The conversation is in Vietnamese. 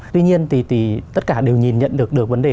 tuy nhiên thì tất cả đều nhìn nhận được được vấn đề